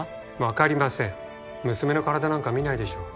分かりません娘の体なんか見ないでしょう